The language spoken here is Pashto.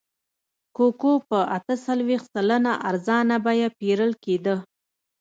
کوکو په اته څلوېښت سلنه ارزانه بیه پېرل کېده.